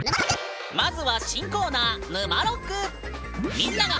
まずは新コーナー「ぬまろく」